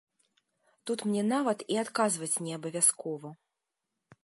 Тут мне нават і адказваць не абавязкова.